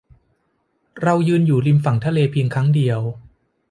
เรายืนอยู่ริมฝั่งทะเลเพียงครั้งเดียว